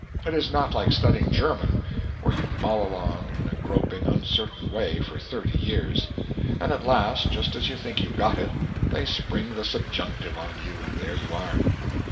It is not like studying German, where you mull along, in a groping, uncertain way, for thirty years; and at last, just as you think you've got it, they spring the subjunctive on you, and there you are.